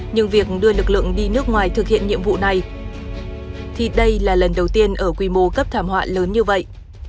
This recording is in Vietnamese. nhưng việc đưa lực lượng đi nước ngoài thực hiện nhiệm vụ này thì đây là lần đầu tiên ở quy mô cấp thảm họa lớn như vậy